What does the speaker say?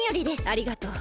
ありがとう。